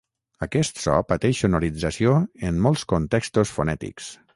Aquest so pateix sonorització en molts contextos fonètics.